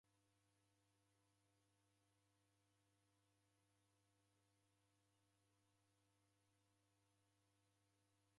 Mori ghwa imbiri ghwakurie angu niko fii ra w'ana rilipwagha